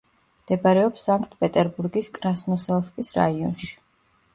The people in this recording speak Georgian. მდებარეობს სანქტ-პეტერბურგის კრასნოსელსკის რაიონში.